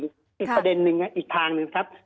อีกประเด็นนึงอีกทางหนึ่งครับ